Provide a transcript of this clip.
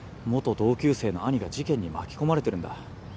元同級生の兄が事件に巻き込まれてるんだ